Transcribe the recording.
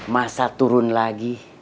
masa turun lagi